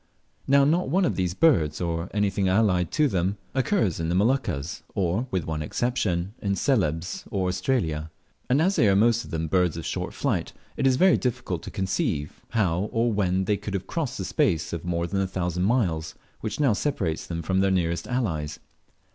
Now not one of these birds, or anything allied to them, occurs in the Moluccas, or (with one exception) in Celebes or Australia; and as they are most of them birds of short flight, it is very difficult to conceive how or when they could have crossed the space of more than a thousand miles, which now separates them from their nearest allies.